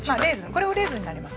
これもレーズンになります。